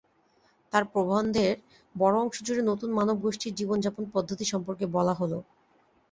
তাঁর প্রবন্ধের বড় অংশ জুড়ে নতুন মানবগোষ্ঠীর জীবনযাপন পদ্ধতি সম্পর্কে বলা হল।